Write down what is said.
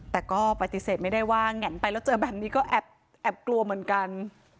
แต่ก็ปฏิเสธไม่ได้ว่าแห่นไปแล้วเจอแบบนี้ก็แอบกลัวเหมือนกัน